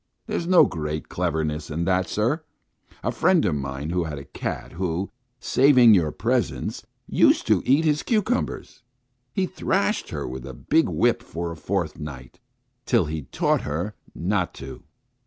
There's no great cleverness in that, sir. A friend of mine had a cat who, saving your presence, used to eat his cucumbers. He thrashed her with a big whip for a fortnight, till he taught her not to.